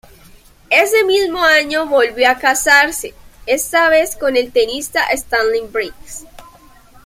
Ese mismo año volvió a casarse, esta vez con el tenista Stanley Briggs.